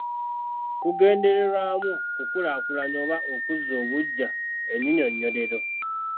Kugendererwamu kukulaakulanya oba okuzza obuggya ennyinyonnyolero.